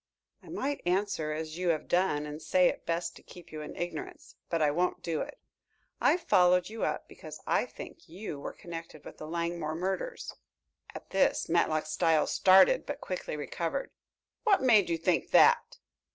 "I might answer as you have done and say it is best to keep you in ignorance. But I won't do it. I followed you up because I think you were connected with the Langmore murders." At this Matlock Styles started, but quickly recovered. "What made you think that?"